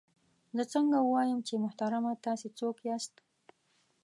زه څنګه ووایم چې محترمه تاسې څوک یاست؟